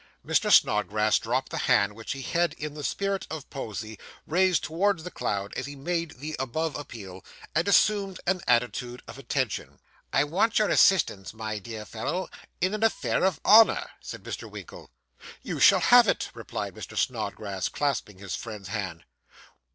Mr. Snodgrass dropped the hand which he had, in the spirit of poesy, raised towards the clouds as he made the above appeal, and assumed an attitude of attention. 'I want your assistance, my dear fellow, in an affair of honour,' said Mr. Winkle. 'You shall have it,' replied Mr. Snodgrass, clasping his friend's hand.